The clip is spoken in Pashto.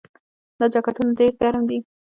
دا جاکټونه ډیر ګرم دي.